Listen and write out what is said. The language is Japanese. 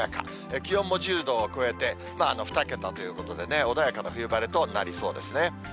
気温も１０度を超えて、２桁ということでね、穏やかな冬晴れとなりそうですね。